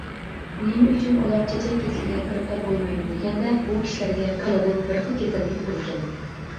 نېمە ئۈچۈن ئۇلار چېچەك كېسىلىگە گىرىپتار بولمايدۇ دېگەندە، بۇ كىشىلەرگە كالىدىن بىر خىل كېسەللىك يۇقىدىكەن.